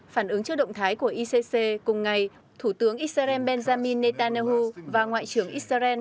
phản ứng trước động thái của icc cùng ngày thủ tướng israel benjamin netanyahu và ngoại trưởng israel